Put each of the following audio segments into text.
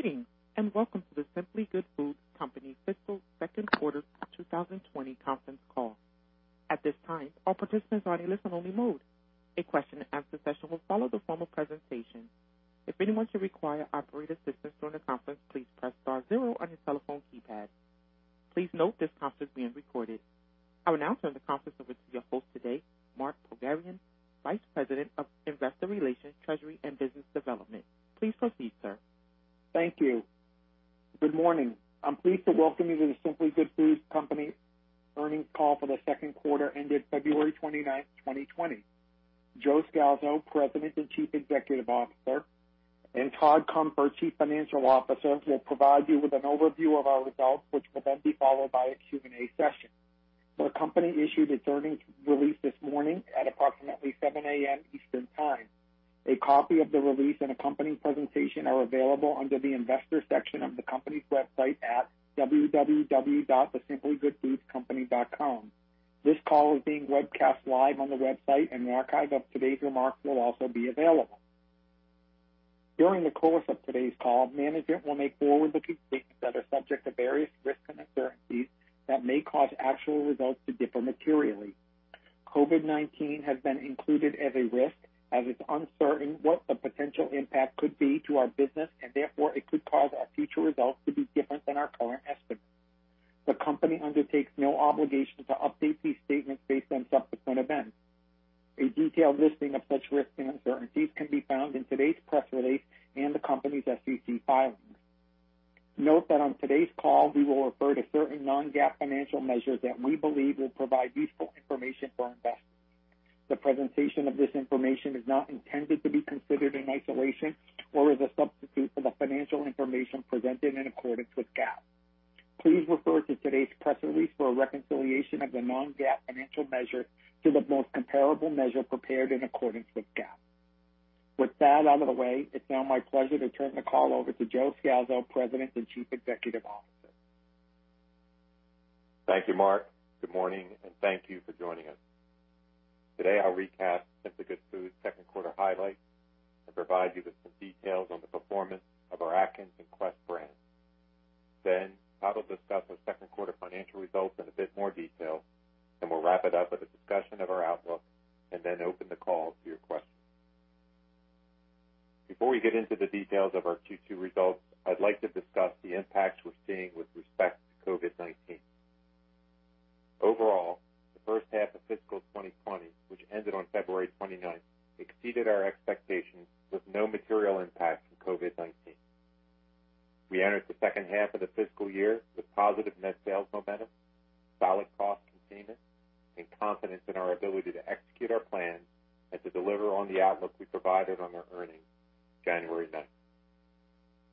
Greetings, and welcome to The Simply Good Foods Company Fiscal Second Quarter 2020 Conference Call. At this time, all participants are in listen only mode. A question and answer session will follow the formal presentation. If anyone should require operator assistance during the conference, please press star zero on your telephone keypad. Please note this conference is being recorded. I would now turn the conference over to your host today, Mark Pogharian, Vice President of Investor Relations, Treasury, and Business Development. Please proceed, sir. Thank you. Good morning. I'm pleased to welcome you to The Simply Good Foods Company earnings call for the second quarter ended February 29th, 2020. Joe Scalzo, President and Chief Executive Officer, and Todd Cunfer, Chief Financial Officer, will provide you with an overview of our results, which will then be followed by a Q&A session. The company issued its earnings release this morning at approximately 7:00 A.M. Eastern Time. A copy of the release and accompanying presentation are available under the investors section of the company's website at www.thesimplygoodfoodcompany.com. This call is being webcast live on the website, and an archive of today's remarks will also be available. During the course of today's call, management will make forward-looking statements that are subject to various risks and uncertainties that may cause actual results to differ materially. COVID-19 has been included as a risk as it's uncertain what the potential impact could be to our business, and therefore, it could cause our future results to be different than our current estimates. The company undertakes no obligation to update these statements based on subsequent events. A detailed listing of such risks and uncertainties can be found in today's press release and the company's SEC filings. Note that on today's call, we will refer to certain non-GAAP financial measures that we believe will provide useful information for investors. The presentation of this information is not intended to be considered in isolation or as a substitute for the financial information presented in accordance with GAAP. Please refer to today's press release for a reconciliation of the non-GAAP financial measure to the most comparable measure prepared in accordance with GAAP. With that out of the way, it's now my pleasure to turn the call over to Joe Scalzo, President and Chief Executive Officer. Thank you, Mark. Good morning, and thank you for joining us. Today, I'll recap Simply Good Foods' second quarter highlights and provide you with some details on the performance of our Atkins and Quest brands. Todd will discuss our second quarter financial results in a bit more detail, and we'll wrap it up with a discussion of our outlook and then open the call to your questions. Before we get into the details of our Q2 results, I'd like to discuss the impacts we're seeing with respect to COVID-19. Overall, the first half of fiscal 2020, which ended on February 29th, exceeded our expectations with no material impact from COVID-19. We entered the second half of the fiscal year with positive net sales momentum, solid cost containment, and confidence in our ability to execute our plan and to deliver on the outlook we provided on our earnings January 9th.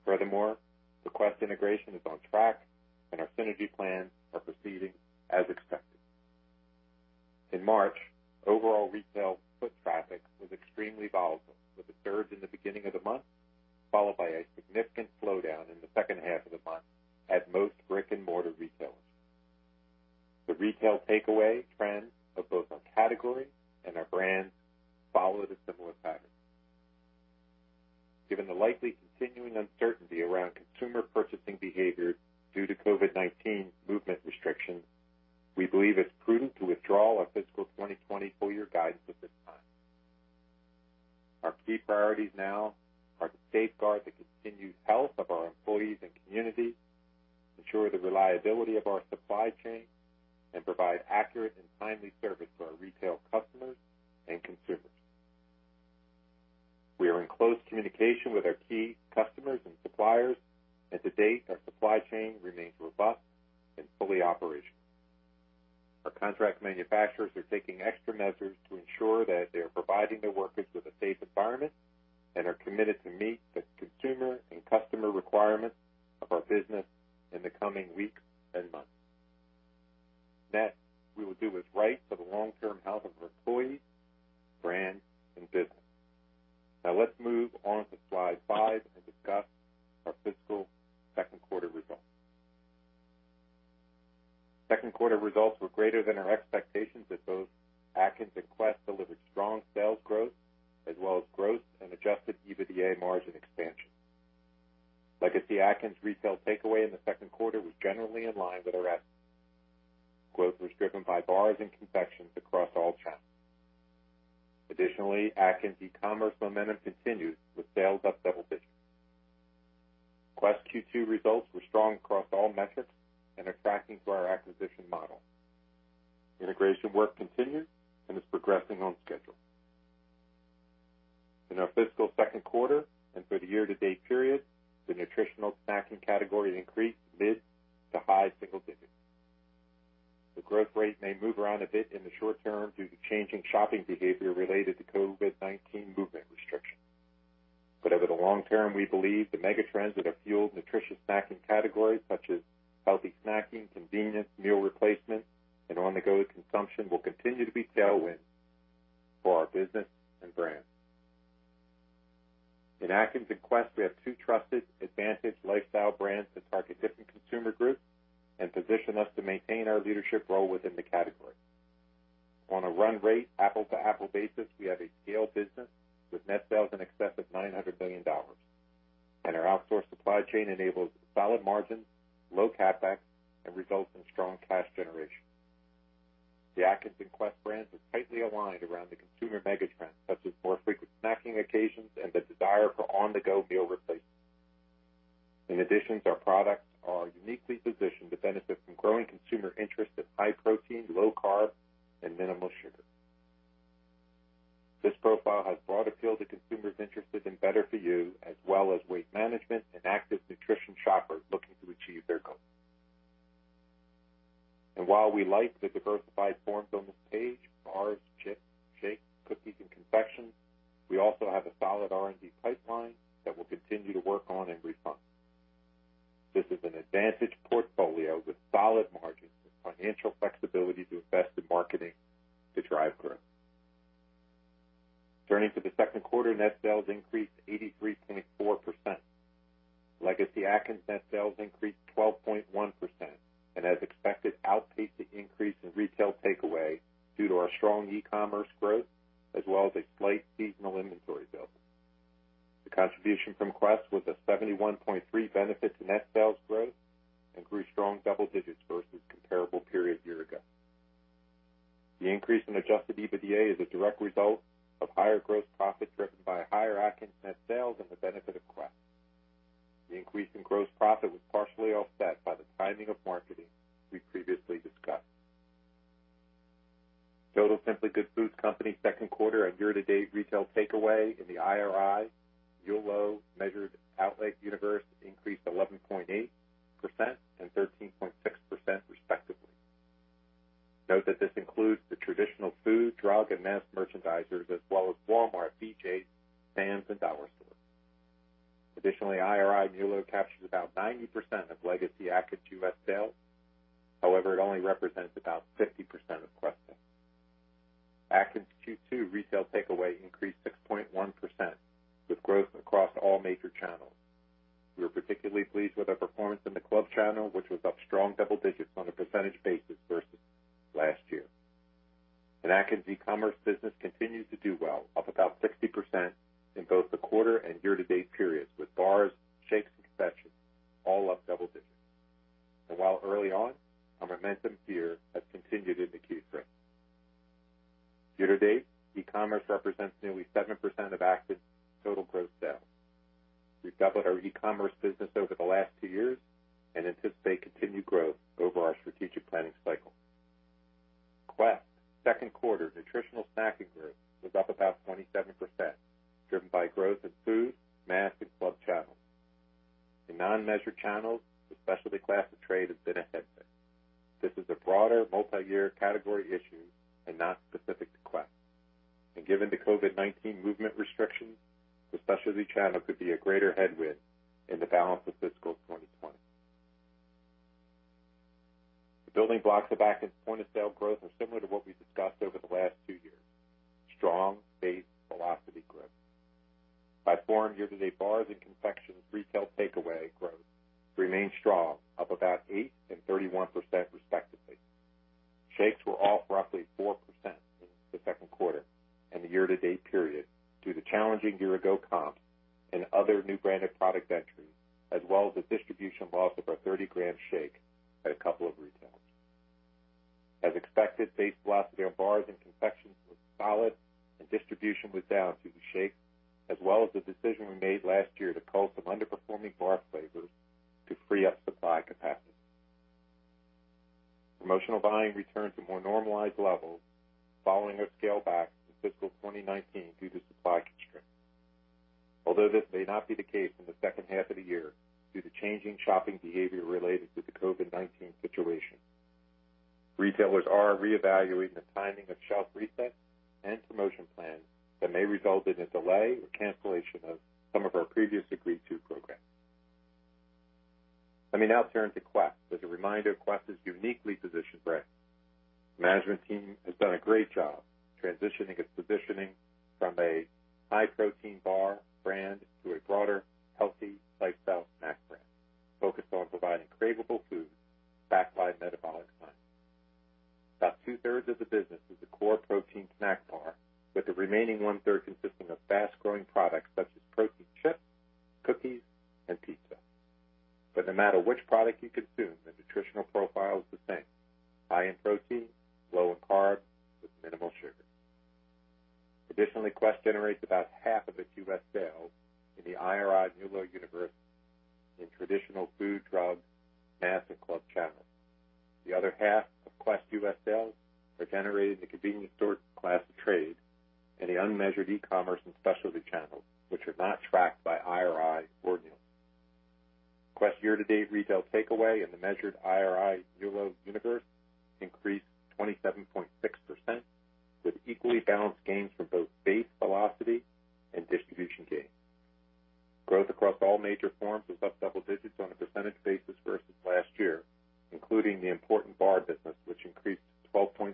Furthermore, the Quest integration is on track, and our synergy plans are proceeding as expected. In March, overall retail foot traffic was extremely volatile, with a surge in the beginning of the month, followed by a significant slowdown in the second half of the month at most brick-and-mortar retailers. The retail takeaway trends of both our category and our brands followed a similar pattern. Given the likely continuing uncertainty around consumer purchasing behavior due to COVID-19 movement restrictions, we believe it's prudent to withdraw our fiscal 2020 full-year guidance at this time. Our key priorities now are to safeguard the continued health of our employees and communities, ensure the reliability of our supply chain, and provide accurate and timely service to our retail customers and consumers. To date, our supply chain remains robust and fully operational. Our contract manufacturers are taking extra measures to ensure that they are providing their workers with a safe environment and are committed to meet the consumer and customer requirements of our business in the coming weeks and months. Next, we will do what's right for the long-term health of our employees, brands, and business. Now let's move on to slide five and discuss our fiscal second quarter results. Second quarter results were greater than our expectations as both Atkins and Quest delivered strong sales growth as well as growth and adjusted EBITDA margin expansion. Legacy Atkins retail takeaway in the second quarter was generally in line with our estimates. Growth was driven by bars and confections across all channels. Additionally, Atkins' e-commerce momentum continued with sales up double digits. Quest Q2 results were strong across all metrics and are tracking to our acquisition model. Integration work continues and is progressing on schedule. In our fiscal second quarter and for the year-to-date period, the nutritional snacking category increased mid to high single digits. The growth rate may move around a bit in the short term due to changing shopping behavior related to COVID-19 movement restrictions. Over the long term, we believe the mega trends that have fueled nutritious snacking categories such as healthy snacking, convenience, meal replacement, and on-the-go consumption will continue to be tailwinds for our business and brands. In Atkins and Quest, we have two trusted, advantaged lifestyle brands that target different consumer groups and position us to maintain our leadership role within the category. On a run rate, apple-to-apple basis, we have a scale business with net sales in excess of $900 million. Our outsourced supply chain enables solid margins, low CapEx, and results in strong cash generation. The Atkins and Quest brands are tightly aligned around the consumer mega trends, such as more frequent snacking occasions and the desire for on-the-go meal replacement. Our products are uniquely positioned to benefit from growing consumer interest in high protein, low carb, and minimal sugar. This profile has broad appeal to consumers interested in better-for-you, as well as weight management and active nutrition shoppers looking to achieve their goals. While we like the diversified forms on this page, bars, shakes, cookies, and confections, we also have a solid R&D pipeline that we'll continue to work on and refine. This is an advantage portfolio with solid margins and financial flexibility to invest in marketing to drive growth. Turning to the second quarter, net sales increased 83.4%. Legacy Atkins net sales increased 12.1%, and as expected, outpaced the increase in retail takeaway due to our strong e-commerce growth, as well as a slight seasonal inventory build. The contribution from Quest was a 71.3% benefit in the balance of fiscal 2020. The building blocks of Atkins point-of-sale growth are similar to what we've discussed over the last two years, strong base velocity growth. By form, year-to-date bars and confections retail takeaway growth remained strong, up about 8% and 31% respectively. Shakes were off roughly 4% in the second quarter and the year-to-date period due to challenging year-ago comps and other new branded product entries, as well as the distribution loss of our 30-gram shake at a couple of retailers. As expected, base velocity on bars and confections was solid and distribution was down due to shakes, as well as the decision we made last year to cull some underperforming bar flavors to free up supply capacity. This may not be the case in the second half of the year due to changing shopping behavior related to the COVID-19 situation. Retailers are reevaluating the timing of shelf resets and promotion plans that may result in a delay or cancellation of some of our previously agreed-to programs. Let me now turn to Quest. As a reminder, Quest is a uniquely positioned brand. Management team has done a great job transitioning its positioning from a high-protein bar brand to a broader healthy lifestyle snack brand focused on providing craveable foods backed by metabolic science. About two-thirds of the business is the core protein snack bar, with the remaining one-third consisting of fast-growing products such as protein chips, cookies, and pizza. No matter which product you consume, the nutritional profile is the same, high in protein, low in carbs, with minimal sugar. Additionally, Quest generates about half of its U.S. sales in the IRI Nielsen universe in traditional food, drug, mass, and club channels. The other half of Quest U.S. sales are generated in the convenience store class of trade and the unmeasured e-commerce and specialty channels, which are not tracked by IRI or Nielsen. Quest year-to-date retail takeaway in the measured IRI Nielsen universe increased 27.6%, with equally balanced gains from both base velocity and distribution gains. Growth across all major forms was up double digits on a percentage basis versus last year, including the important bar business, which increased 12.7%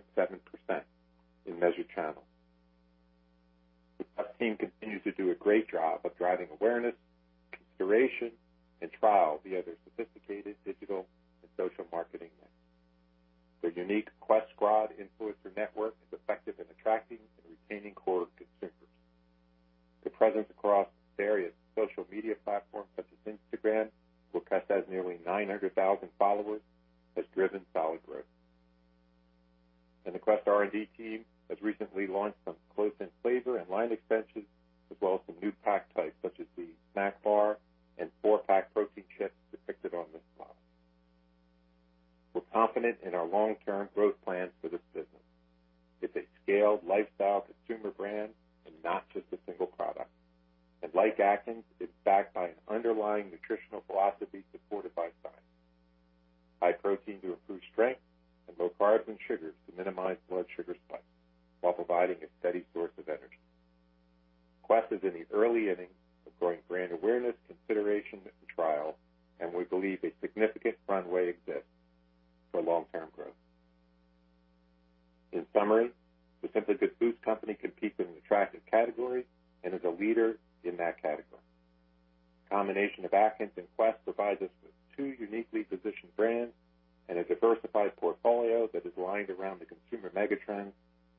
in measured channels. Our team continues to do a great job of driving awareness, consideration, and trial via their sophisticated digital and social marketing mix. Their unique Quest Squad influencer network is effective in attracting and retaining core consumers. Their presence across various social media platforms, such as Instagram, where Quest has nearly 900,000 followers, has driven solid growth. The Quest R&D team has recently launched some close in flavor and line extensions, as well as some new pack types such as the snack bar and four-pack protein chips depicted on this slide. We're confident in our long-term growth plans for this business. It's a scaled lifestyle consumer brand and not just a single product. Like Atkins, it's backed by an underlying nutritional philosophy supported by science. High protein to improve strength and low carbs and sugars to minimize blood sugar spikes while providing a steady source of energy. Quest is in the early innings of growing brand awareness, consideration, and trial, and we believe a significant runway exists for long-term growth. In summary, The Simply Good Foods Company competes in an attractive category and is a leader in that category. Combination of Atkins and Quest provides us with two uniquely positioned brands and a diversified portfolio that is aligned around the consumer megatrends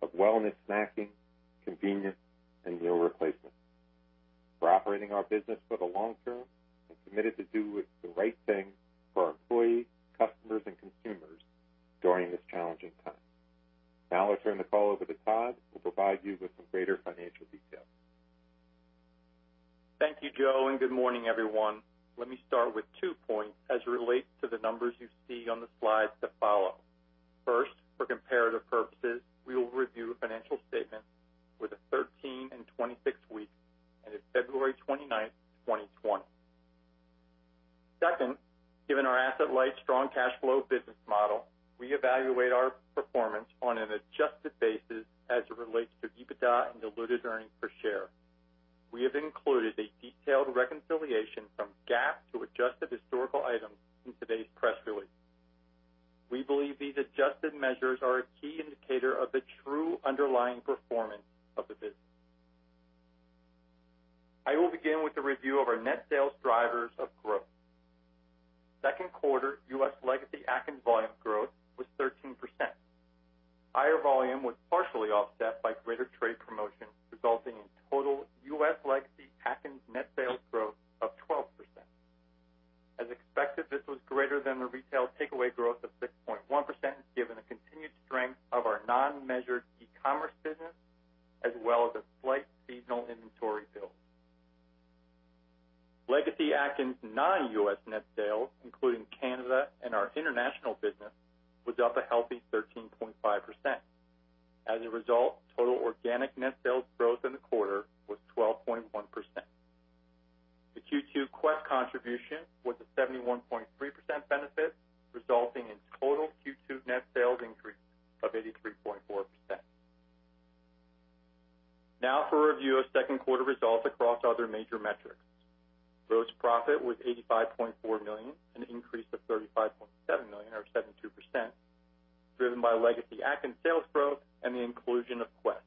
of wellness, snacking, convenience, and meal replacement. We're operating our business for the long term and committed to doing the right thing for our employees, customers, and consumers during this challenging time. Now I'll turn the call over to Todd, who will provide you with some greater financial details. Thank you, Joe, and good morning, everyone. Let me start with two points as it relates to the numbers you see on the slides that follow. First, for comparative purposes, we will review financial statements for the 13 and 26 weeks ended February 29th, 2020. Second, given our asset-light strong cash flow business model, we evaluate our performance on an adjusted basis as it relates to EBITDA and diluted earnings per share. We have included a detailed reconciliation from GAAP to adjusted historical items in today's press release. We believe these adjusted measures are a key indicator of the true underlying performance of the business. I will begin with a review of our net sales drivers of growth. Second quarter U.S. legacy Atkins volume growth was 13%. Higher volume was partially offset by greater trade promotions, resulting in total U.S. legacy Atkins net sales growth of 12%. As expected, this was greater than the retail takeaway growth of 6.1%, given the continued strength of our non-measured e-commerce business, as well as a slight seasonal inventory build. Legacy Atkins non-US net sales, including Canada and our international business, was up a healthy 13.5%. As a result, total organic net sales growth in the quarter was 12.1%. The Q2 Quest contribution was a 71.3% benefit, resulting in total Q2 net sales increase of 83.4%. For a review of second quarter results across other major metrics. Gross profit was $85.4 million, an increase of $35.7 million or 72%, driven by legacy Atkins sales growth and the inclusion of Quest,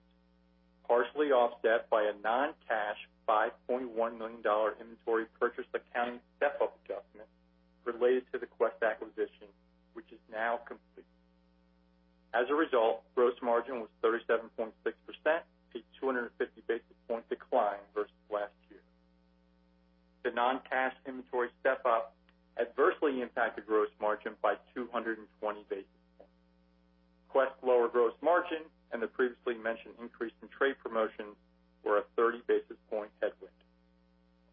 partially offset by a non-cash $5.1 million inventory purchase accounting step-up adjustment related to the Quest acquisition, which is now complete. As a result, gross margin was 37.6%, a 250 basis point decline versus last year. The non-cash inventory step-up adversely impacted gross margin by 220 basis points. Quest lower gross margin and the previously mentioned increase in trade promotion were a 30 basis point headwind.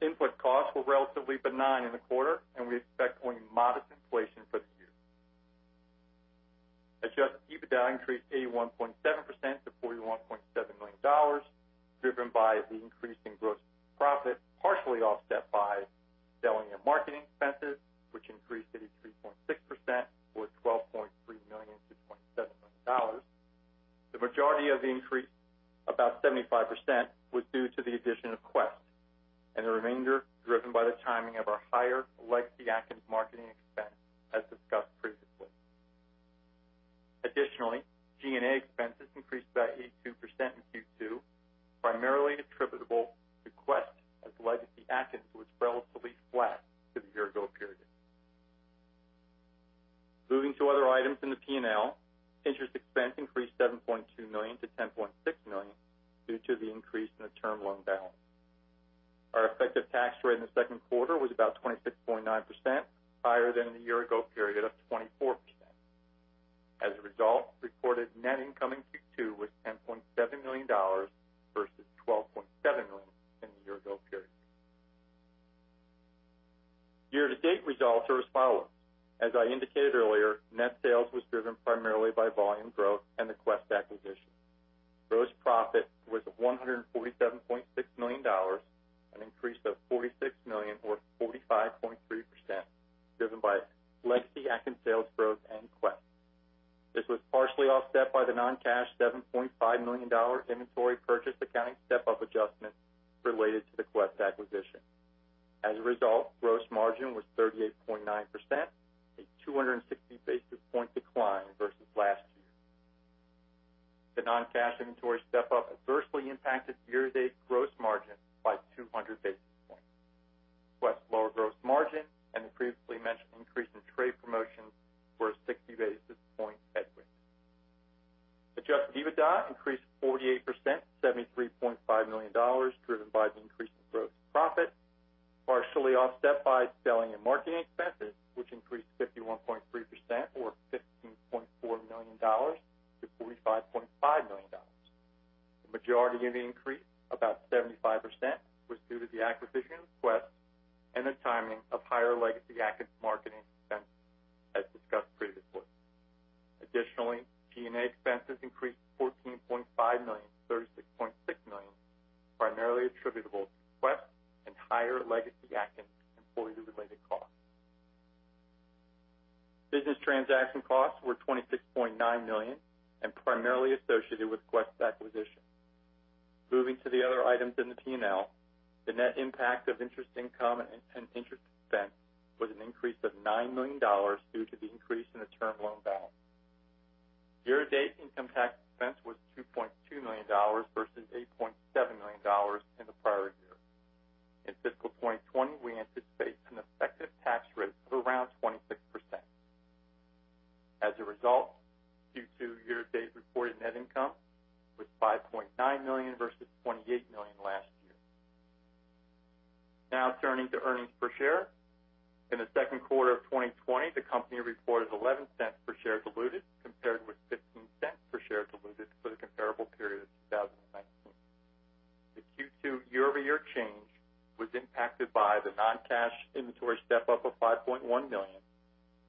Input costs were relatively benign in the quarter, and we expect only modest inflation for the year. Adjusted EBITDA increased 81.7% to $41.7 million, driven by the increase in gross profit, partially offset by selling and marketing expenses, which increased 83.6% or $12.3 million-$27 million. The majority of the increase, about 75%, was due to the addition of Quest, and the remainder driven by the timing of our higher legacy Atkins marketing expense, as discussed previously. Additionally, G&A expenses increased by 82% in Q2, primarily attributable to Quest, as legacy Atkins was relatively flat to the year ago period. Moving to other items in the P&L, interest expense increased $7.2 million-$10.6 million due to the increase in the term loan balance. Our effective tax rate in the second quarter was about 26.9%, higher than the year ago period of 24%. As a result, reported net income in Q2 was $10.7 million versus $12.7 million in the year ago period. Year-to-date results are as follows. As I indicated earlier, net sales was driven primarily by volume growth and the Quest acquisition. Gross profit was $147.6 million, an increase of $46 million or 45.3%, driven by legacy Atkins sales growth and Quest. This was partially offset by the non-cash $7.5 million inventory purchase accounting step-up adjustment related to the Quest acquisition. As a result, gross margin was 38.9%, a 260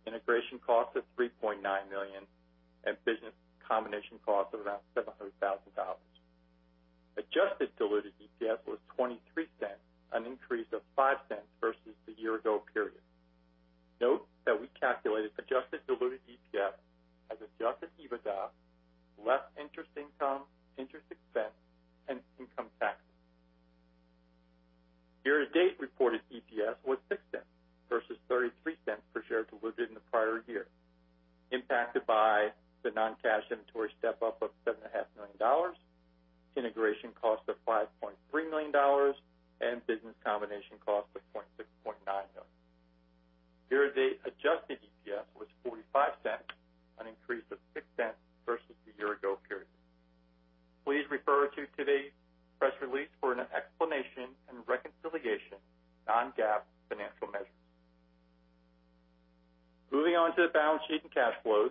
integration costs of $3.9 million, and business combination costs of around $700,000. Adjusted diluted EPS was $0.23, an increase of $0.05 versus the year-ago period. Note that we calculated adjusted diluted EPS as adjusted EBITDA, less interest income, interest expense, and income taxes. Year-to-date reported EPS was $0.06 versus $0.33 per share diluted in the prior year, impacted by the non-cash inventory step-up of $7.5 million, integration costs of $5.3 million and business combination costs of $6.9 million. Year-to-date adjusted EPS was $0.45, an increase of $0.06 versus the year-ago period. Please refer to today's press release for an explanation and reconciliation of non-GAAP financial measures. Moving on to the balance sheet and cash flows.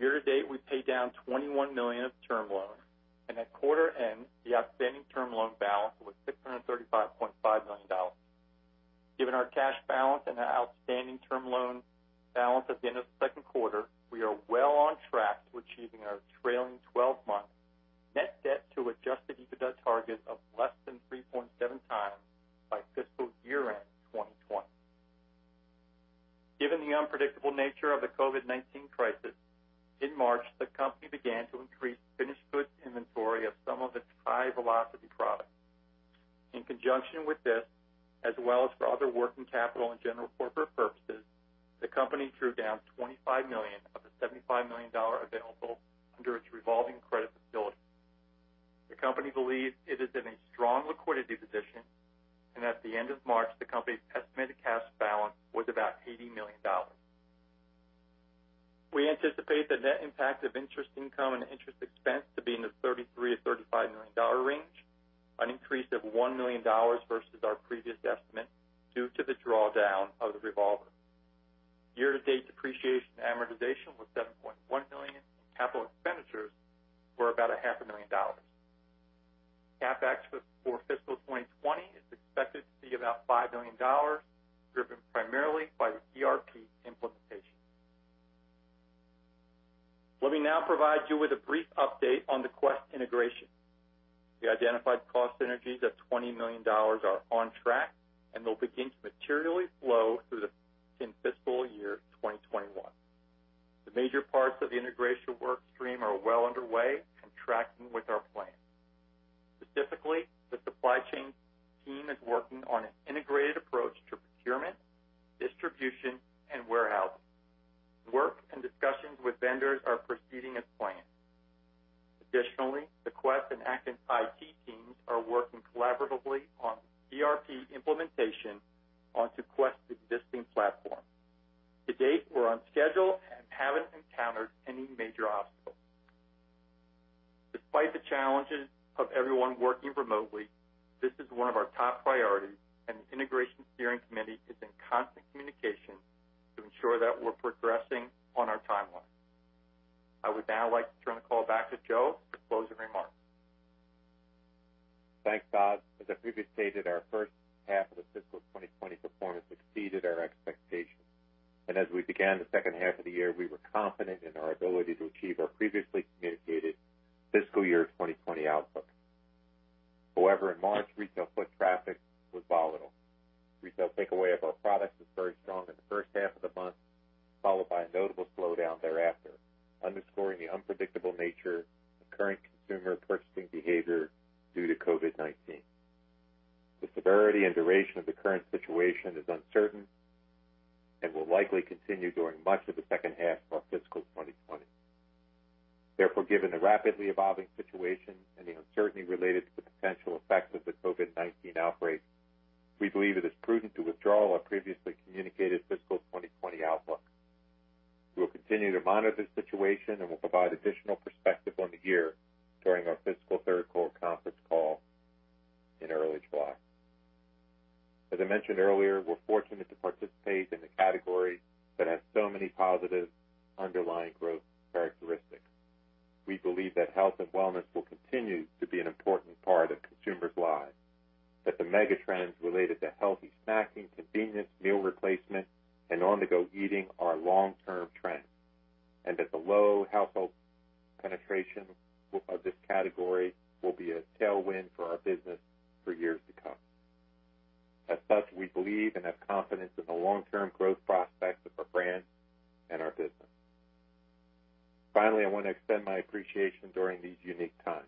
Year-to-date, we paid down $21 million of term loans, and at quarter end, the outstanding term loan balance was $635.5 million. Given our cash balance and the outstanding term loan balance at the end of the second quarter, we are well on track to achieving our trailing 12-month net debt to adjusted EBITDA target of less than 3.7x by fiscal year-end 2020. Given the unpredictable nature of the COVID-19 crisis, in March, the company began to increase finished goods inventory of some of its high-velocity products. In conjunction with this, as well as for other working capital and general corporate purposes, the company drew down $25 million Thanks, Todd. As I previously stated, our first half of the fiscal 2020 performance exceeded our expectations. As we began the second half of the year, we were confident in our ability to achieve our previously communicated fiscal year 2020 outlook. However, in March, retail foot traffic was volatile. Retail takeaway of our products was very strong in the first half of the month, followed by a notable slowdown thereafter, underscoring the unpredictable nature of current consumer purchasing behavior due to COVID-19. The severity and duration of the current situation is uncertain. Will likely continue during much of the second half of our fiscal 2020. Given the rapidly evolving situation and the uncertainty related to the potential effects of the COVID-19 outbreak, we believe it is prudent to withdraw our previously communicated fiscal 2020 outlook. We will continue to monitor the situation and will provide additional perspective on the year during our fiscal third quarter conference call in early July. As I mentioned earlier, we're fortunate to participate in a category that has so many positive underlying growth characteristics. We believe that health and wellness will continue to be an important part of consumers' lives, that the megatrends related to healthy snacking, convenience, meal replacement, and on-the-go eating are long-term trends, and that the low household penetration of this category will be a tailwind for our business for years to come. As such, we believe and have confidence in the long-term growth prospects of our brand and our business. Finally, I want to extend my appreciation during these unique times.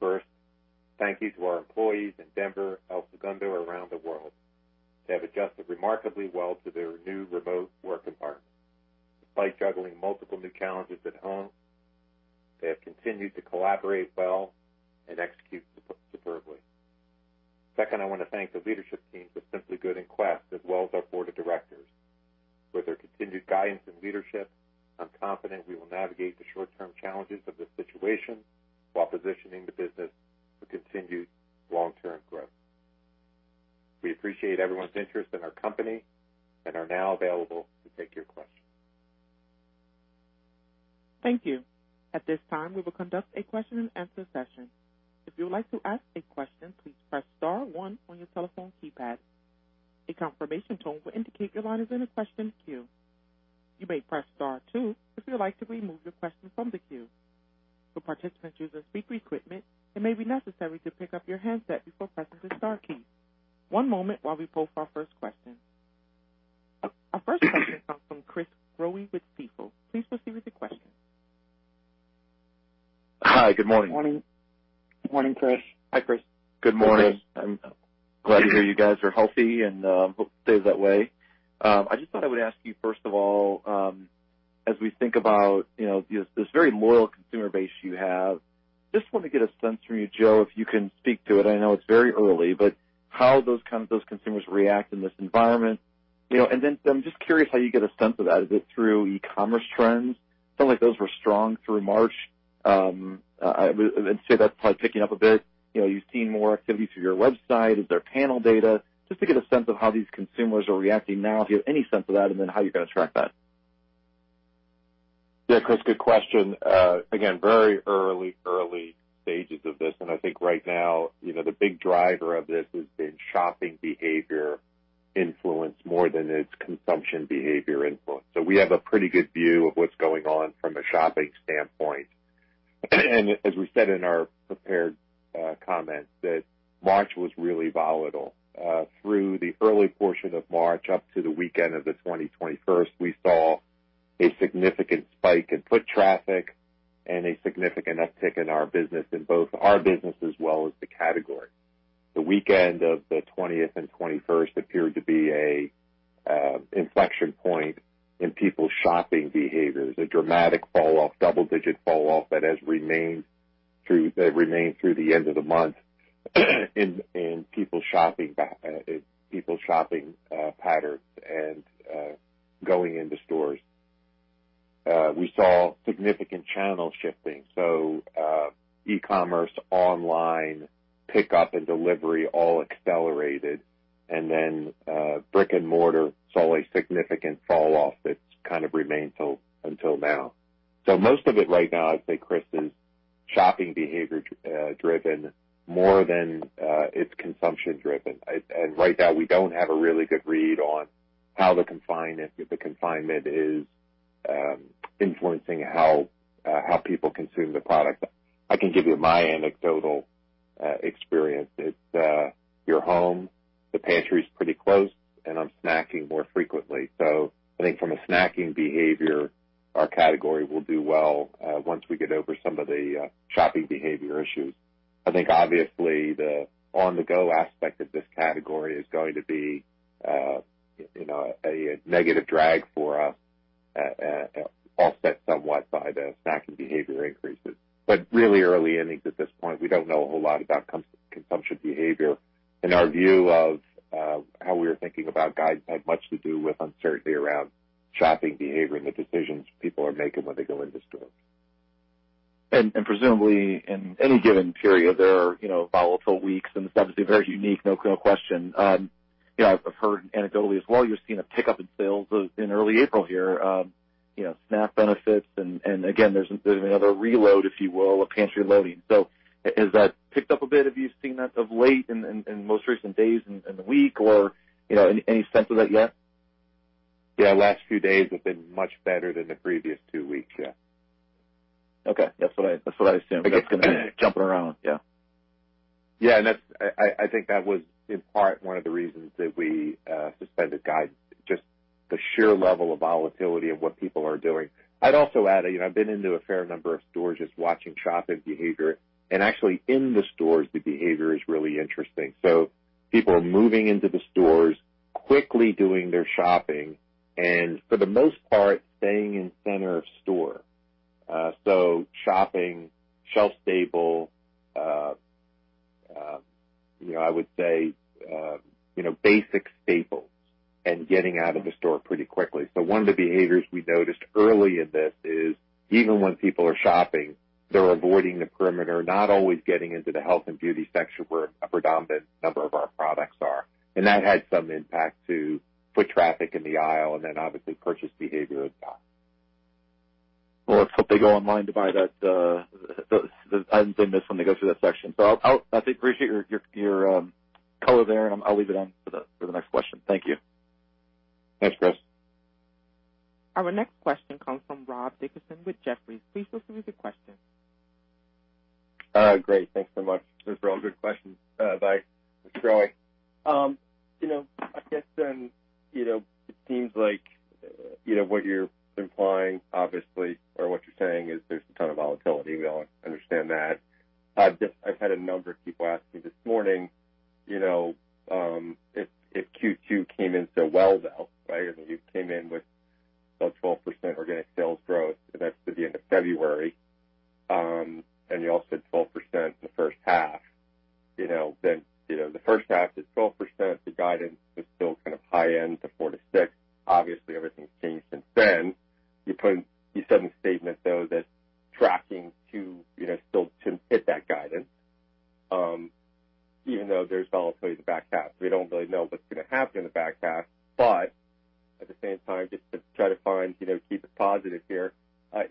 First, thank you to our employees in Denver, El Segundo, around the world. They have adjusted remarkably well to their new remote work environment. Despite juggling multiple new challenges at home, they have continued to collaborate well and execute superbly. Second, I want to thank the leadership teams of Simply Good and Quest, as well as our board of directors. With their continued guidance and leadership, I'm confident we will navigate the short-term challenges of this situation while positioning the business for continued long-term growth. We appreciate everyone's interest in our company and are now available to take your questions. Thank you. At this time, we will conduct a question-and-answer session. If you would like to ask a question, please press star one on your telephone keypad. A confirmation tone will indicate your line is in a question queue. You may press star two if you would like to remove your question from the queue. For participants using speaker equipment, it may be necessary to pick up your handset before pressing the star key. One moment while we poll for our first question. Our first question comes from Chris Growe with Stifel. Please proceed with your question. Hi, good morning. Morning. Morning, Chris. Hi, Chris. Good morning. I'm glad to hear you guys are healthy and hope it stays that way. I just thought I would ask you, first of all, as we think about this very loyal consumer base you have, just want to get a sense from you, Joe, if you can speak to it. I know it's very early, but how those consumers react in this environment. Then I'm just curious how you get a sense of that. Is it through e-commerce trends? Sound like those were strong through March. I would say that's probably picking up a bit. You've seen more activity through your website. Is there panel data? Just to get a sense of how these consumers are reacting now, if you have any sense of that, and then how you're going to track that. Yeah, Chris, good question. Again, very early stages of this, I think right now, the big driver of this has been shopping behavior influence more than its consumption behavior influence. We have a pretty good view of what's going on from a shopping standpoint. As we said in our prepared comments, that March was really volatile. Through the early portion of March up to the weekend of the 20, 21st, we saw a significant spike in foot traffic and a significant uptick in our business, in both our business as well as the category. The weekend of the 20th and 21st appeared to be a inflection point in people's shopping behaviors, a dramatic fall off, double-digit fall off that remained through the end of the month in people's shopping patterns and going into stores. We saw significant channel shifting. E-commerce, online pickup, and delivery all accelerated, brick and mortar saw a significant fall off that's remained until now. Most of it right now, I'd say, Chris, is shopping behavior driven more than it's consumption driven. Right now, we don't have a really good read on how the confinement is influencing how people consume the product. I can give you my anecdotal experience. It's, you're home, the pantry's pretty close, and I'm snacking more frequently. I think from a snacking behavior, our category will do well once we get over some of the shopping behavior issues. I think obviously the on-the-go aspect of this category is going to be a negative drag for us, offset somewhat by the snacking behavior increases. Really early innings at this point. We don't know a whole lot about consumption behavior. Our view of how we are thinking about guides had much to do with uncertainty around shopping behavior and the decisions people are making when they go into stores. Presumably in any given period, there are volatile weeks and this is obviously very unique, no question. I've heard anecdotally as well, you're seeing a pickup in sales in early April here, snack benefits and again, there's another reload, if you will, a pantry loading. Has that picked up a bit? Have you seen that of late in most recent days in the week or any sense of that yet? Yeah, last few days have been much better than the previous two weeks. Yeah. Okay. That's what I assumed. I guess jumping around. Yeah. Yeah. I think that was in part one of the reasons that we suspended guide, just the sheer level of volatility of what people are doing. I'd also add, I've been into a fair number of stores just watching shopping behavior. Actually in the stores, the behavior is really interesting. People are moving into the stores, quickly doing their shopping, and for the most part, staying in center of store. Shopping shelf stable, I would say, basic staples and getting out of the store pretty quickly. One of the behaviors we noticed early in this is even when people are shopping, they're avoiding the perimeter, not always getting into the health and beauty section where a predominant number of our products are. That had some impact to foot traffic in the aisle and then obviously purchase behavior as well. Well, let's hope they go online to buy that item they miss when they go through that section. I appreciate your color there, and I'll leave it on for the next question. Thank you. Thanks, Chris. Our next question comes from Rob Dickerson with Jefferies. Please proceed with your question. Great. Thanks so much. These are all good questions by Mr. Growe. I guess then, it seems like what you're implying obviously, or what you're saying is there's a ton of volatility. We all understand that. I've had a number of people ask me this morning, if Q2 came in so well though, right? You came in with a 12% organic sales growth, and that's through the end of February. You all said 12% the first half. The first half is 12%. The guidance was still kind of high end to 4%-6%. Obviously, everything's changed since then. You said in the statement, though, that tracking to still hit that guidance, even though there's volatility in the back half. We don't really know what's going to happen in the back half. At the same time, just to try to find, keep it positive here,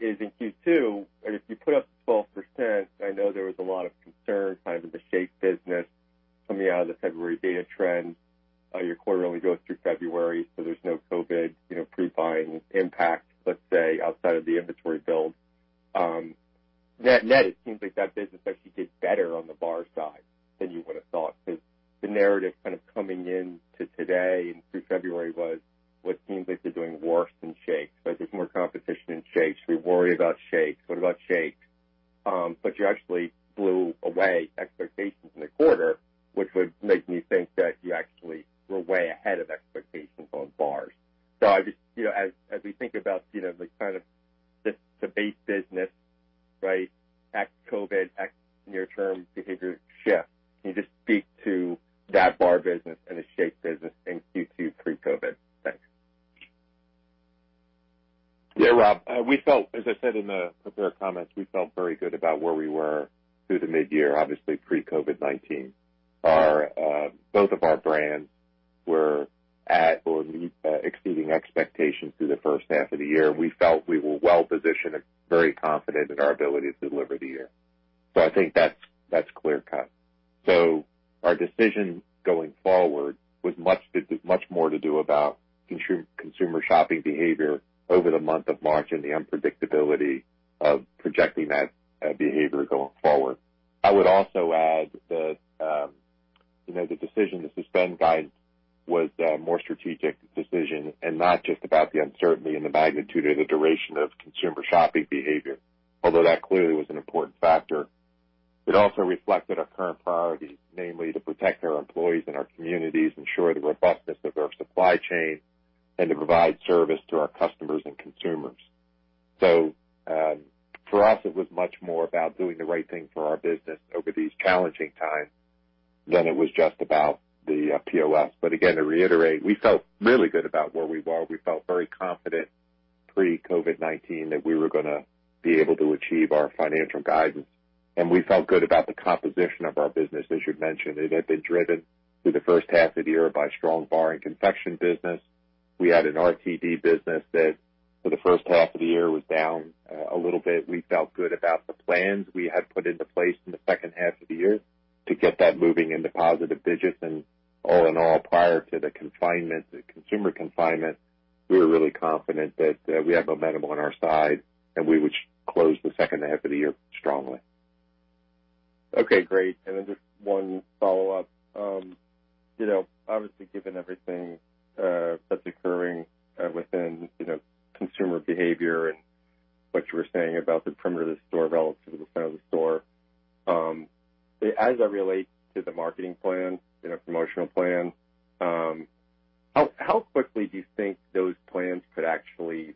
is in Q2, and if you put up the 12%, I know there was a lot of concern kind of in the shake business coming out of the February data trend. Your quarter only goes through February, so there's no COVID-19 pre-buying impact, let's say, outside of the inventory build. Net, net, it seems like that business actually did better on the bar side than you would have thought. The narrative KIND of coming in to today and through February was what seems like they're doing worse than shakes. There's more competition in shakes. We worry about shakes. What about shakes? You actually blew away expectations in the quarter, which would make me think that you actually were way ahead of expectations on bars. Obviously, as we think about the kind of the base business, right, ex-COVID-19, ex near-term behavior shift, can you just speak to that bar business and the shake business in Q2 pre-COVID-19? Thanks. Yeah, Rob. We felt, as I said in the prepared comments, we felt very good about where we were through the mid-year, obviously pre-COVID-19. Both of our brands were at or exceeding expectations through the first half of the year. We felt we were well-positioned and very confident in our ability to deliver the year. I think that's clear cut. Our decision going forward was much more to do about consumer shopping behavior over the month of March and the unpredictability of projecting that behavior going forward. I would also add that the decision to suspend guidance was a more strategic decision and not just about the uncertainty and the magnitude or the duration of consumer shopping behavior, although that clearly was an important factor. It also reflected our current priorities, namely to protect our employees and our communities, ensure the robustness of our supply chain, and to provide service to our customers and consumers. For us, it was much more about doing the right thing for our business over these challenging times than it was just about the POS. Again, to reiterate, we felt really good about where we were. We felt very confident pre-COVID-19 that we were going to be able to achieve our financial guidance. We felt good about the composition of our business. As you mentioned, it had been driven through the first half of the year by strong bar and confection business. We had an RTD business that for the first half of the year was down a little bit. We felt good about the plans we had put into place in the second half of the year to get that moving into positive digits. All in all, prior to the confinement, the consumer confinement, we were really confident that we have momentum on our side, and we would close the second half of the year strongly. Okay, great. Just one follow-up. Obviously, given everything that's occurring within consumer behavior and what you were saying about the perimeter of the store relative to the front of the store, as that relates to the marketing plan, promotional plan, how quickly do you think those plans could actually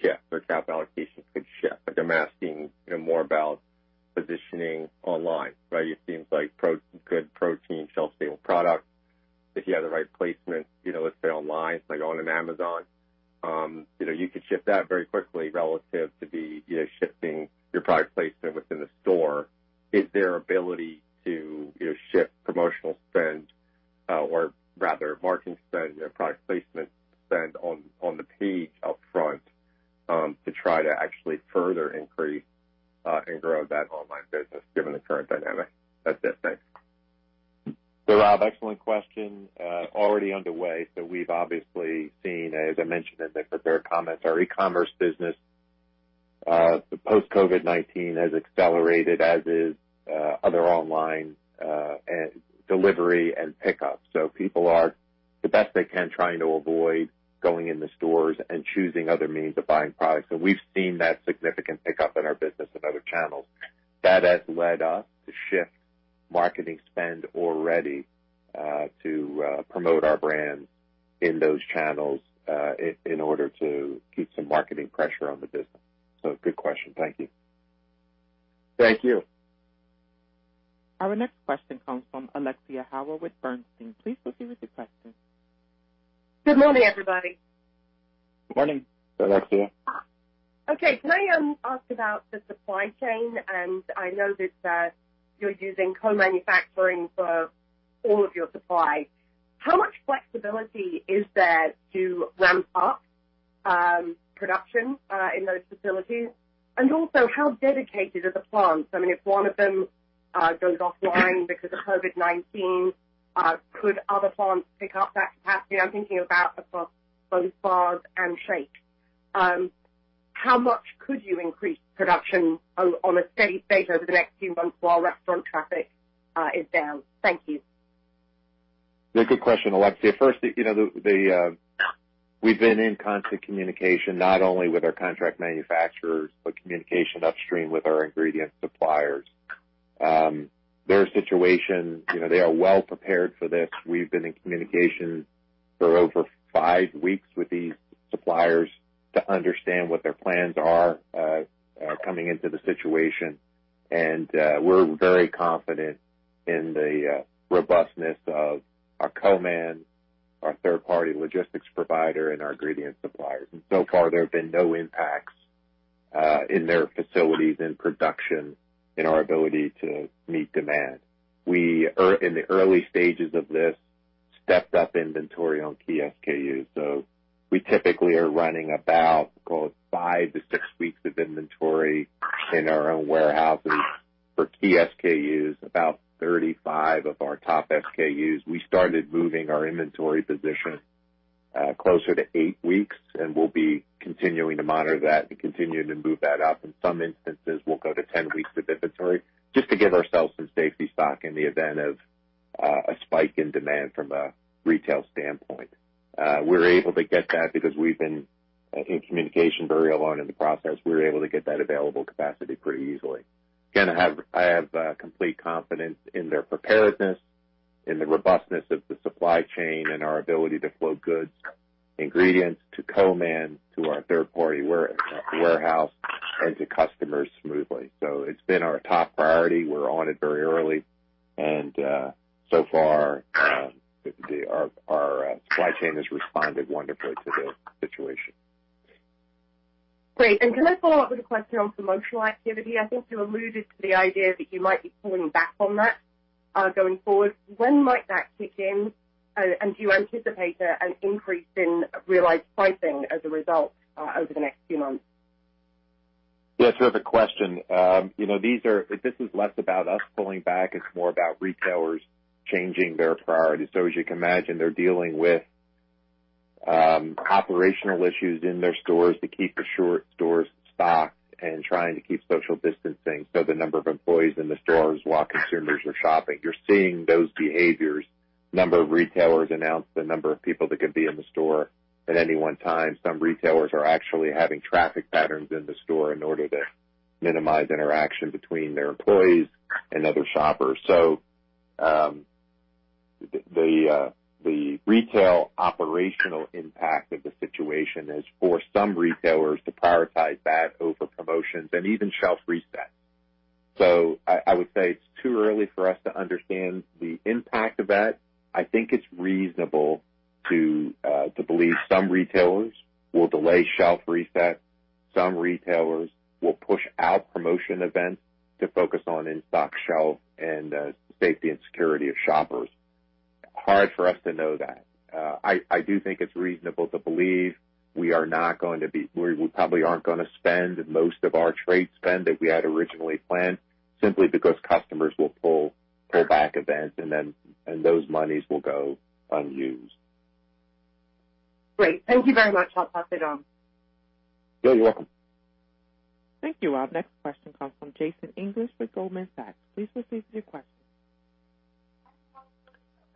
shift or capital allocations could shift? I'm asking more about positioning online, right? It seems like good protein, shelf-stable product. If you have the right placement, let's say online, like on an Amazon, you could shift that very quickly relative to the shifting your product placement within the store. Is there ability to shift promotional spend, or rather marketing spend, product placement spend on the page up front, to try to actually further increase and grow that online business given the current dynamic? That's it. Thanks. Rob, excellent question. Already underway. We've obviously seen, as I mentioned in the prepared comments, our e-commerce business post-COVID-19 has accelerated as is other online delivery and pickup. People are, the best they can, trying to avoid going in the stores and choosing other means of buying products. We've seen that significant pickup in our business and other channels. That has led us to shift marketing spend already to promote our brand in those channels in order to keep some marketing pressure on the business. Good question. Thank you. Thank you. Our next question comes from Alexia Howard with Bernstein. Please proceed with your question. Good morning, everybody. Good morning. Good morning, Alexia. Okay. Can I ask about the supply chain? I know that you're using co-manufacturing for all of your supply. How much flexibility is there to ramp up production in those facilities? Also, how dedicated are the plants? If one of them goes offline because of COVID-19, could other plants pick up that capacity? I'm thinking about both bars and shakes. How much could you increase production on a steady state over the next few months while restaurant traffic is down? Thank you. Good question, Alexia. We've been in constant communication not only with our contract manufacturers, but communication upstream with our ingredient suppliers. Their situation, they are well prepared for this. We've been in communication for over five weeks with these suppliers to understand what their plans are coming into the situation. We're very confident in the robustness of our co-man, our third-party logistics provider, and our ingredient suppliers. So far, there have been no impacts in their facilities and production in our ability to meet demand. We, in the early stages of this, stepped up inventory on key SKUs. We typically are running about, call it five to six weeks of inventory in our own warehouses for key SKUs, about 35 of our top SKUs. We started moving our inventory position closer to eight weeks. We'll be continuing to monitor that and continuing to move that up. In some instances, we'll go to 10 weeks of inventory just to give ourselves some safety stock in the event of a spike in demand from a retail standpoint. We're able to get that because we've been in communication very early on in the process. We were able to get that available capacity pretty easily. Again, I have complete confidence in their preparedness, in the robustness of the supply chain, and our ability to flow goods, ingredients to co-man, to our third party warehouse, and to customers smoothly. It's been our top priority. We're on it very early. So far, our supply chain has responded wonderfully to the situation. Great. Can I follow up with a question on promotional activity? I think you alluded to the idea that you might be pulling back on that going forward. When might that kick in? Do you anticipate an increase in realized pricing as a result over the next few months? Yeah, it's a relevant question. This is less about us pulling back. It's more about retailers changing their priorities. As you can imagine, they're dealing with operational issues in their stores to keep the stores stocked and trying to keep social distancing. The number of employees in the stores while consumers are shopping. You're seeing those behaviors. A number of retailers announced the number of people that could be in the store at any one time. Some retailers are actually having traffic patterns in the store in order to minimize interaction between their employees and other shoppers. The retail operational impact of the situation is for some retailers to prioritize that over promotions and even shelf resets. I would say it's too early for us to understand the impact of that. I think it's reasonable to believe some retailers will delay shelf resets. Some retailers will push out promotion events to focus on in-stock shelves and the safety and security of shoppers. Hard for us to know that. I do think it's reasonable to believe we probably aren't going to spend most of our trade spend that we had originally planned simply because customers will pull back events, and those monies will go unused. Great. Thank you very much. I'll pass it on. You're welcome. Thank you, Rob. Next question comes from Jason English with Goldman Sachs. Please proceed with your question.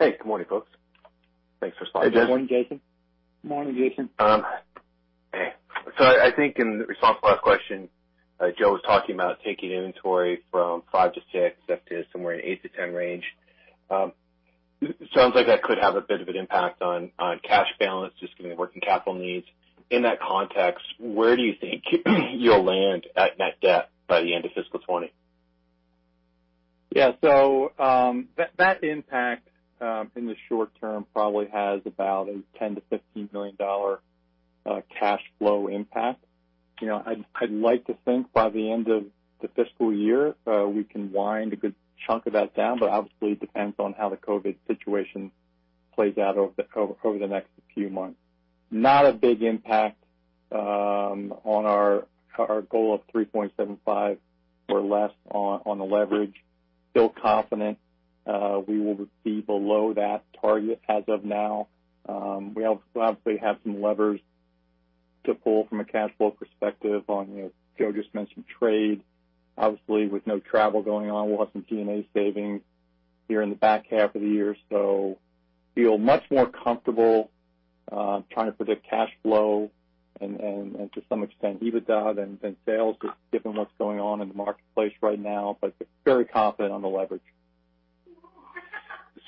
Hey, good morning, folks. Thanks for responding. Hey, Jason. Good morning, Jason. I think in response to last question, Joe was talking about taking inventory from five to six up to somewhere in the eight to ten range. Sounds like that could have a bit of an impact on cash balance, just given the working capital needs. In that context, where do you think you'll land at net debt by the end of fiscal 2020? Yeah. That impact in the short term probably has about a $10 million-$15 million cash flow impact. I'd like to think by the end of the fiscal year, we can wind a good chunk of that down, but obviously it depends on how the COVID-19 situation plays out over the next few months. Not a big impact on our goal of 3.75 or less on the leverage. Still confident we will be below that target as of now. We obviously have some levers to pull from a cash flow perspective, Joe just mentioned trade. Obviously, with no travel going on, we'll have some G&A savings here in the back half of the year. Feel much more comfortable trying to predict cash flow and to some extent, EBITDA and then sales, just given what's going on in the marketplace right now. Very confident on the leverage.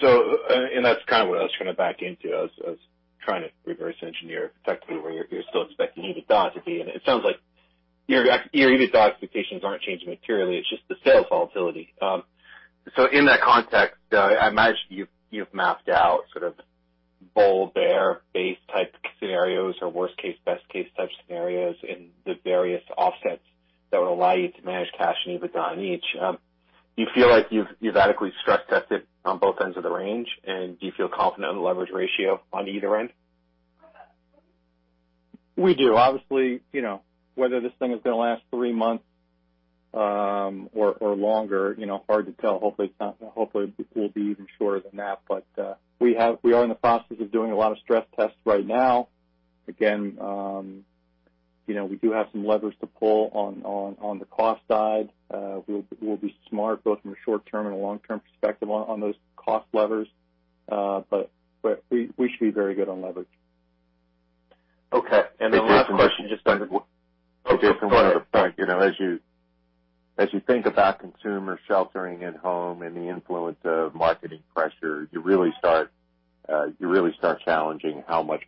That's kind of what I was trying to back into. I was trying to reverse engineer, effectively, where you're still expecting EBITDA to be. It sounds like your EBITDA expectations aren't changing materially, it's just the sales volatility. In that context, I imagine you've mapped out sort of bull, bear, base type scenarios or worst case/best case type scenarios, and the various offsets that would allow you to manage cash and EBITDA on each. Do you feel like you've adequately stress-tested on both ends of the range, and do you feel confident on the leverage ratio on either end? We do. Obviously, whether this thing is going to last three months or longer, hard to tell. Hopefully, it will be even shorter than that. We are in the process of doing a lot of stress tests right now. Again, we do have some levers to pull on the cost side. We'll be smart, both from a short-term and a long-term perspective on those cost levers. We should be very good on leverage. Okay. Last question, just on the. A different point of view. As you think about consumers sheltering at home and the influence of marketing pressure, you really start challenging how much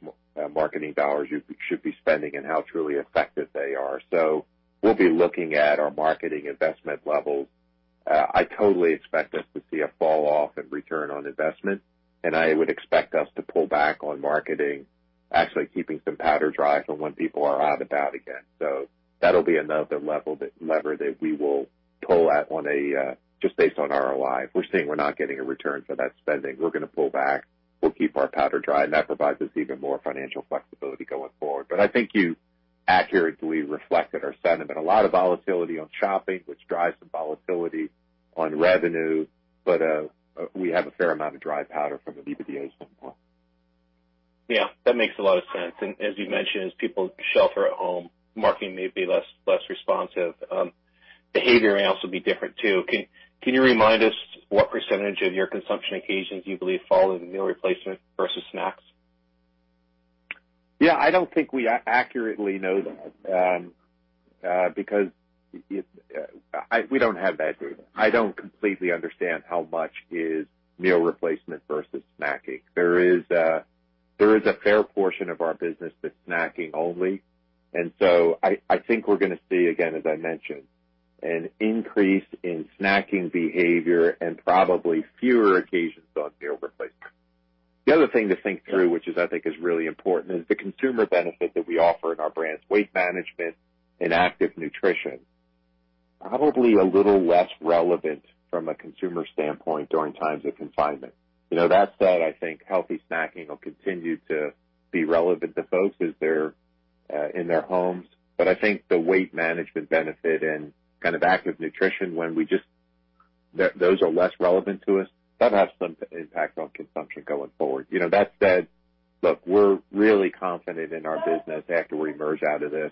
marketing dollars you should be spending and how truly effective they are. We'll be looking at our marketing investment levels. I totally expect us to see a fall off in return on investment, and I would expect us to pull back on marketing, actually keeping some powder dry for when people are out and about again. That'll be another lever that we will pull at just based on ROI. If we're seeing we're not getting a return for that spending, we're going to pull back. We'll keep our powder dry, and that provides us even more financial flexibility going forward. I think you accurately reflected our sentiment. A lot of volatility on shopping, which drives the volatility on revenue, but we have a fair amount of dry powder from an EBITDA standpoint. Yeah, that makes a lot of sense. As you mentioned, as people shelter at home, marketing may be less responsive. Behavior may also be different too. Can you remind us what % of your consumption occasions you believe fall into meal replacement versus snacks? I don't think we accurately know that. We don't have that data. I don't completely understand how much is meal replacement versus snacking. There is a fair portion of our business that's snacking only, I think we're going to see, again, as I mentioned, an increase in snacking behavior and probably fewer occasions on meal replacement. The other thing to think through, which is I think is really important, is the consumer benefit that we offer in our brands, weight management and active nutrition. Probably a little less relevant from a consumer standpoint during times of confinement. That said, I think healthy snacking will continue to be relevant to folks as they're in their homes. I think the weight management benefit and kind of active nutrition, those are less relevant to us. That has some impact on consumption going forward. That said, look, we're really confident in our business after we emerge out of this.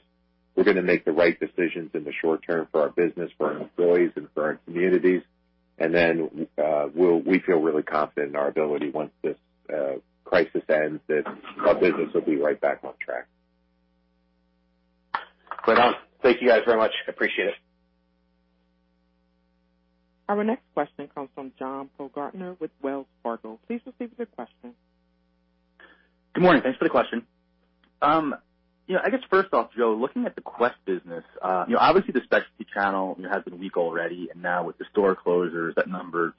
We're going to make the right decisions in the short term for our business, for our employees, and for our communities. We feel really confident in our ability once this crisis ends, that our business will be right back on track. Great. Thank you guys very much. Appreciate it. Our next question comes from John Baumgartner with Wells Fargo. Please proceed with your question. Good morning. Thanks for the question. I guess first off, Joe, looking at the Quest business, obviously the specialty channel has been weak already, and now with the store closures, that number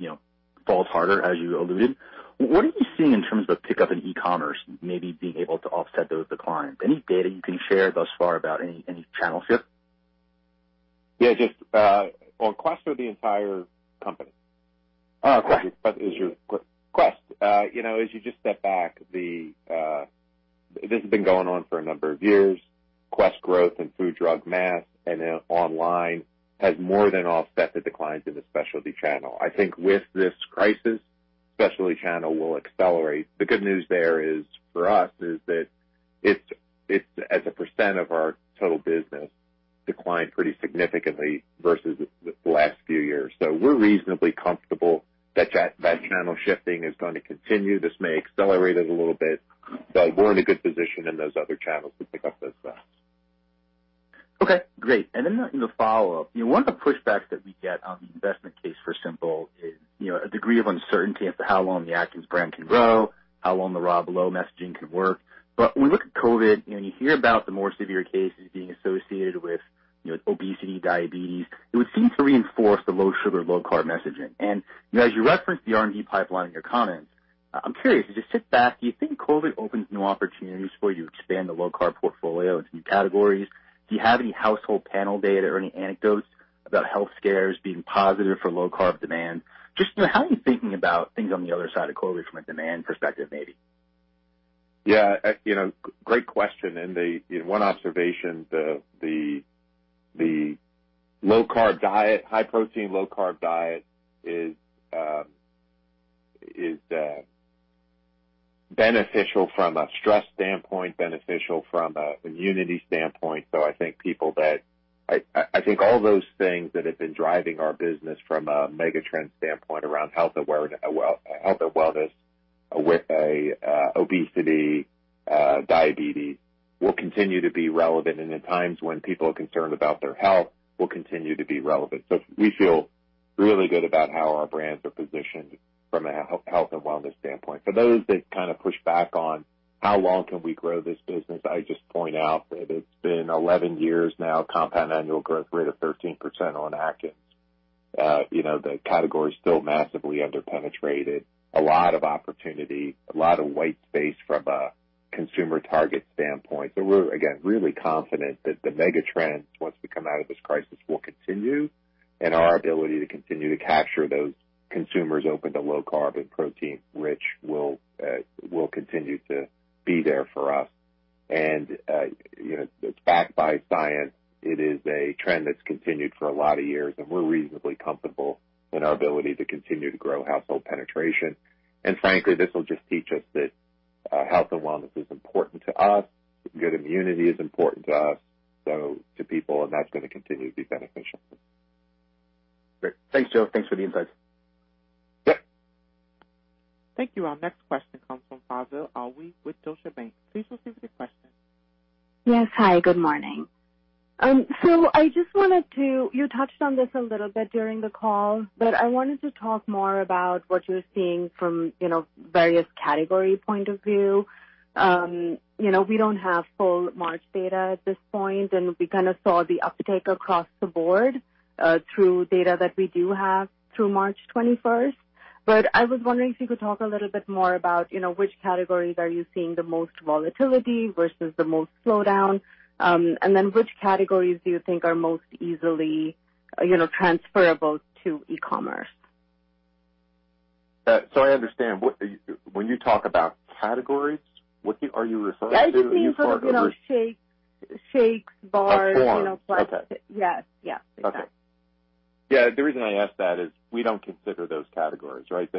falls harder as you alluded. What are you seeing in terms of pickup in e-commerce maybe being able to offset those declines? Any data you can share thus far about any channel shift? Yeah, just on Quest or the entire company? Quest. Quest. As you just step back, this has been going on for a number of years. Quest growth in food, drug, mass, and then online has more than offset the declines in the specialty channel. I think with this crisis, specialty channel will accelerate. The good news there is for us is that it's, as a % of our total business, declined pretty significantly versus the last few years. We're reasonably comfortable that that channel shifting is going to continue. This may accelerate it a little bit, but we're in a good position in those other channels to pick up those slacks. Okay, great. Then in the follow-up, one of the pushbacks that we get on the investment case for Simply Good Foods is a degree of uncertainty as to how long the Atkins brand can grow, how long the raw below messaging could work. When we look at COVID, you hear about the more severe cases being associated with obesity, diabetes. It would seem to reinforce the low sugar, low carb messaging. As you referenced the R&D pipeline in your comments, I'm curious, as you sit back, do you think COVID opens new opportunities for you to expand the low-carb portfolio into new categories? Do you have any household panel data or any anecdotes about health scares being positive for low-carb demand? Just how are you thinking about things on the other side of COVID from a demand perspective, maybe? Yeah. Great question. The one observation, the high protein, low carb diet is beneficial from a stress standpoint, beneficial from a immunity standpoint. I think all those things that have been driving our business from a mega trend standpoint around health and wellness, with obesity, diabetes, will continue to be relevant. In times when people are concerned about their health, will continue to be relevant. We feel really good about how our brands are positioned from a health and wellness standpoint. For those that kind of push back on how long can we grow this business, I just point out that it's been 11 years now, compound annual growth rate of 13% on Atkins. The category is still massively under-penetrated. A lot of opportunity, a lot of white space from a consumer target standpoint. We're, again, really confident that the mega trends, once we come out of this crisis, will continue, and our ability to continue to capture those consumers open to low carb and protein rich will continue to be there for us. It's backed by science. It is a trend that's continued for a lot of years, and we're reasonably comfortable in our ability to continue to grow household penetration. Frankly, this will just teach us that health and wellness is important to us. Good immunity is important to us, so to people, and that's going to continue to be beneficial. Great. Thanks, Joe. Thanks for the insights. Yep. Thank you. Our next question comes from Faiza Alwy with Deutsche Bank. Please proceed with your question. Yes. Hi, good morning. I just wanted to, you touched on this a little bit during the call, but I wanted to talk more about what you're seeing from various category point of view. We don't have full March data at this point, and we kind of saw the uptake across the board through data that we do have through March 21st. I was wondering if you could talk a little bit more about which categories are you seeing the most volatility versus the most slowdown? Which categories do you think are most easily transferable to e-commerce? I understand. When you talk about categories, are you referring to? Yeah, I just mean sort of shakes, bars. Like forms? Yes, exactly. Okay. Yeah, the reason I ask that is we don't consider those categories, right?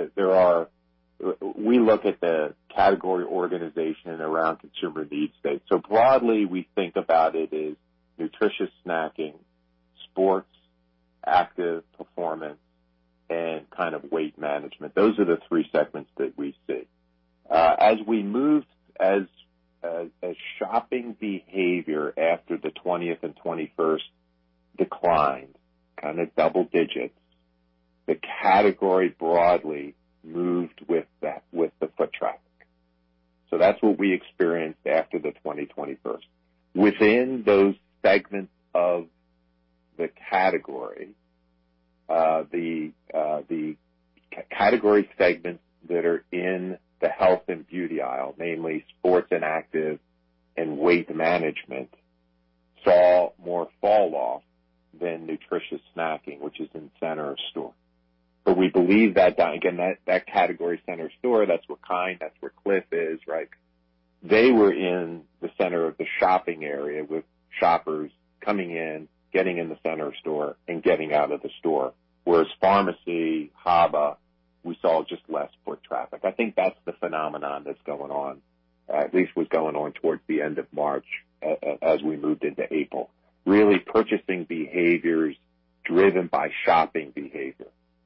We look at the category organization around consumer need state. Broadly, we think about it as nutritious snacking, sports, active, performance, and kind of weight management. Those are the three segments that we see. As shopping behavior after the 20th and 21st declined kind of double digits, the category broadly moved with the foot traffic. That's what we experienced after the 20, 21st. Within those segments of the category, the category segments that are in the health and beauty aisle, namely sports and active and weight management, saw more fall off than nutritious snacking, which is in center of store. We believe that, again, that category center store, that's where KIND, that's where CLIF is, right? They were in the center of the shopping area with shoppers coming in, getting in the center of store and getting out of the store. Whereas pharmacy, HABA, we saw just less foot traffic. I think that's the phenomenon that's going on, at least was going on towards the end of March as we moved into April. Really, purchasing behavior is driven by shopping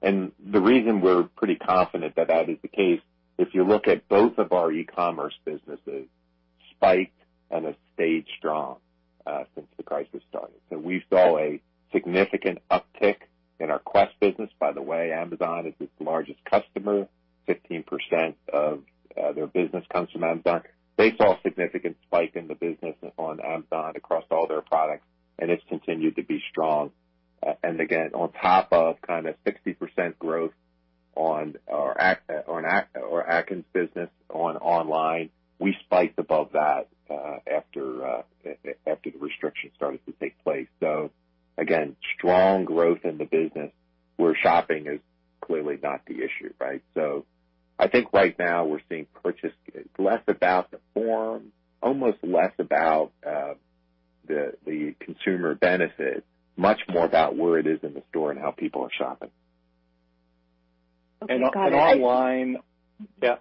behavior. The reason we're pretty confident that is the case, if you look at both of our e-commerce businesses spiked and have stayed strong since the crisis started. We saw a significant uptick in our Quest business. By the way, Amazon is its largest customer. 15% of their business comes from Amazon. They saw a significant spike in the business on Amazon across all their products, and it's continued to be strong. Again, on top of kind of 60% growth on our Atkins business on online, we spiked above that after the restrictions started to take place. Again, strong growth in the business where shopping is clearly not the issue, right? I think right now we're seeing purchase, it's less about the form, almost less about the consumer benefit, much more about where it is in the store and how people are shopping. Okay, got it.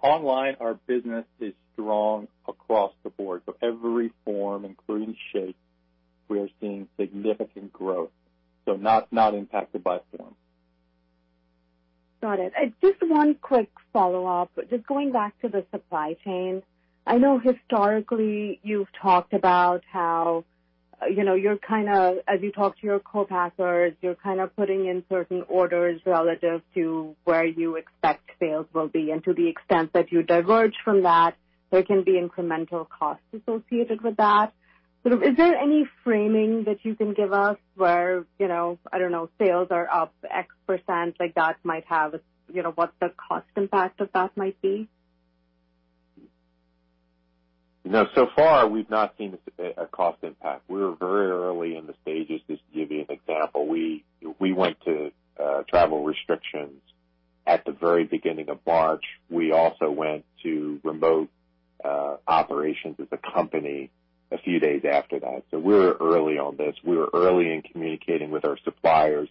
Online our business is strong across the board. Every form, including shakes, we are seeing significant growth, so not impacted by form. Got it. Just one quick follow-up. Just going back to the supply chain. I know historically you've talked about how, as you talk to your co-packers, you're kind of putting in certain orders relative to where you expect sales will be and to the extent that you diverge from that, there can be incremental costs associated with that. Sort of, is there any framing that you can give us where, I don't know, sales are up X%, like that might have, what the cost impact of that might be? No, so far, we've not seen a cost impact. We're very early in the stages. Just to give you an example, we went to travel restrictions at the very beginning of March. We also went to remote operations as a company a few days after that. We're early on this. We were early in communicating with our suppliers.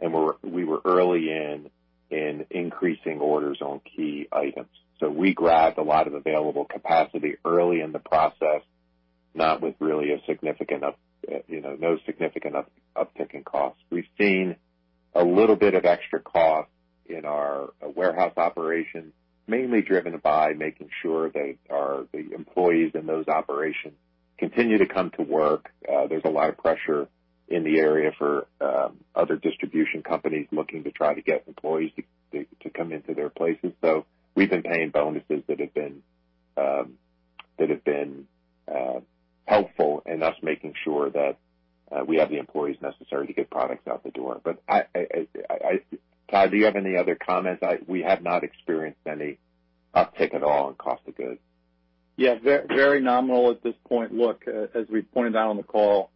We were early in increasing orders on key items. We grabbed a lot of available capacity early in the process, not with really no significant uptick in costs. We've seen a little bit of extra cost in our warehouse operations, mainly driven by making sure the employees in those operations continue to come to work. There's a lot of pressure in the area for other distribution companies looking to try to get employees to come into their places. We've been paying bonuses that have been helpful in us making sure that we have the employees necessary to get products out the door. Todd, do you have any other comments? We have not experienced any uptick at all in cost of goods. Yeah. Very nominal at this point. Look, as we pointed out on the call,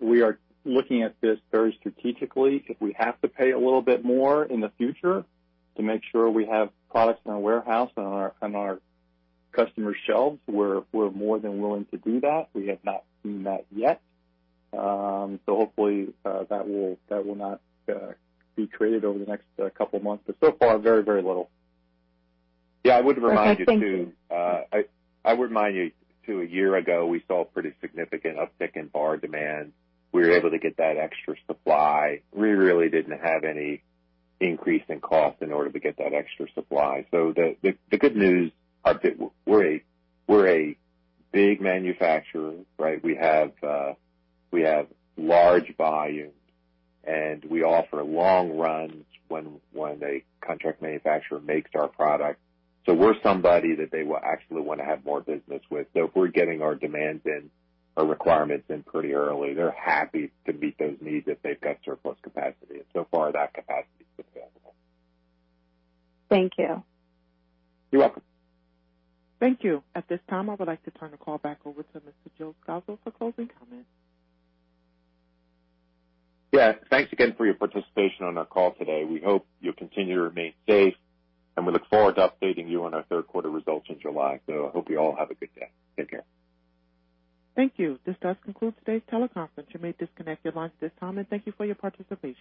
we are looking at this very strategically. If we have to pay a little bit more in the future to make sure we have products in our warehouse and on our customers' shelves, we're more than willing to do that. We have not seen that yet. Hopefully, that will not be created over the next couple of months. So far, very, very little. I would remind you too, a year ago, we saw a pretty significant uptick in bar demand. We were able to get that extra supply. We really didn't have any increase in cost in order to get that extra supply. The good news, we're a big manufacturer. We have large volumes, and we offer long runs when a contract manufacturer makes our product. We're somebody that they will actually want to have more business with. If we're getting our demands in, our requirements in pretty early, they're happy to meet those needs if they've got surplus capacity. So far, that capacity's been available. Thank you. You're welcome. Thank you. At this time, I would like to turn the call back over to Mr. Joe Scalzo for closing comments. Yeah. Thanks again for your participation on our call today. We hope you'll continue to remain safe, and we look forward to updating you on our third quarter results in July. I hope you all have a good day. Take care. Thank you. This does conclude today's teleconference. You may disconnect your lines at this time, and thank you for your participation.